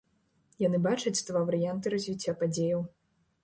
Яны бачаць два варыянты развіцця падзеяў.